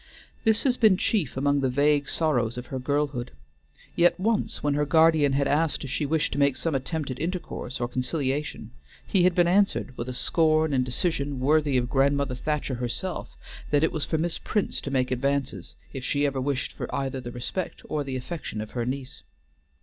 This has been chief among the vague sorrows of her girlhood. Yet once when her guardian had asked if she wished to make some attempt at intercourse or conciliation, he had been answered, with a scorn and decision worthy of grandmother Thacher herself, that it was for Miss Prince to make advances if she ever wished for either the respect or affection of her niece.